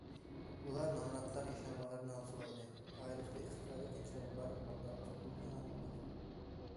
ئۇلار نامراتلار، ياشانغانلاردىن ھال سورىدى، ئائىلىسىدە ئىقتىسادىي قىيىنچىلىقى بار بالىلارغا پۇل ئىئانە قىلدى.